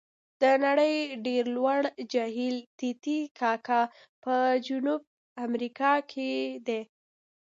د نړۍ ډېر لوړ جهیل تي تي کاکا په جنوب امریکا کې دی.